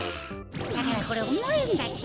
だからこれおもいんだって。